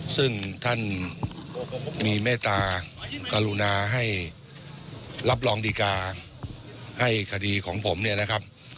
ซึ่งท่านมีเมตตากรุณาให้รับรองดีการให้คดีของผมเนี่ยนะครับ